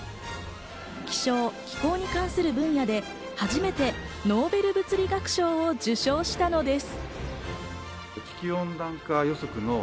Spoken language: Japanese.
気象・気候に関する分野で初めてノーベル物理学賞を受賞したのです。